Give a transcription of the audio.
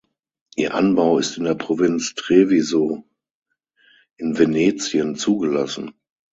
Ihr Anbau ist in der Provinz Treviso in Venetien zugelassen.